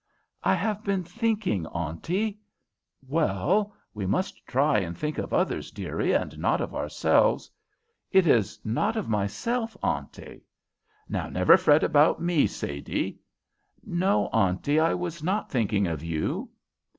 "I have been thinking, Auntie." "Well, we must try and think of others, dearie, and not of ourselves." "It's not of myself, Auntie." "Never fret about me, Sadie." "No, Auntie, I was not thinking of you."